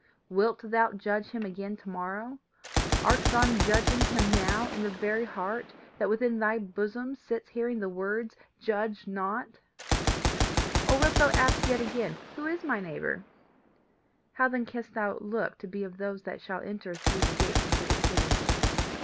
Wilt thou judge him again to morrow? Art thou judging him now in the very heart that within thy bosom sits hearing the words Judge not? Or wilt thou ask yet again Who is my neighbour? How then canst thou look to be of those that shall enter through the gates into the city?